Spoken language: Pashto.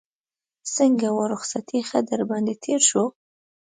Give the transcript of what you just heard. څنګه وه رخصتي ښه در باندې تېره شوه.